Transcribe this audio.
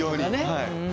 はい。